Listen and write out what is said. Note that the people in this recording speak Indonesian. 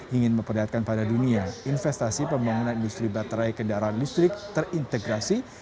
ingin memperlihatkan pada dunia investasi pembangunan industri baterai kendaraan listrik terintegrasi